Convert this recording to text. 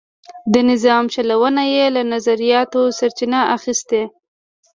د نظام چلونه یې له نظریاتو سرچینه اخیسته.